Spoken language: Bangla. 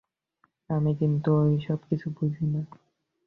আমি কিন্তু ও-সব কিছু বুঝি না।